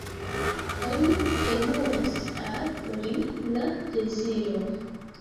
Oni plenumis al li la deziron.